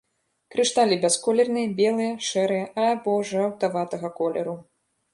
Крышталі бясколерныя, белыя, шэрыя або жаўтаватага колеру.